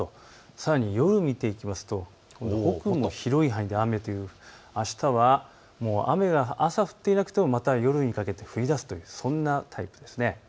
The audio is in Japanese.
さらに夜を見ていくと北部も広い範囲で雨とあしたは雨が朝、降っていなくてもまた夜にかけて降りだすというそんなタイミングです。